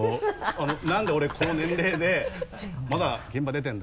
「なんで俺この年齢でまだ現場出てるんだ？」